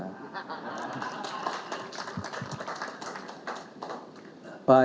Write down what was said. pak perubowo yang saya hormati